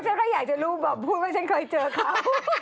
ฉันก็อยากจะรู้แบบพูดว่าฉันเคยเจอเขา